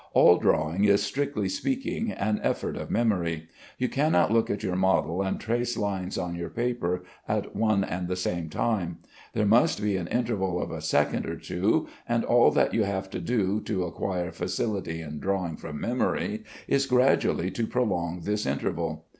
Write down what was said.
All drawing is, strictly speaking, an effort of memory. You cannot look at your model and trace lines on your paper at one and the same time; there must be an interval of a second or two, and all that you have to do to acquire facility in drawing from memory, is gradually to prolong this interval.